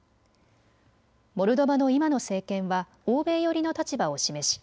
モルドバの今の政権は欧米寄りの立場を示し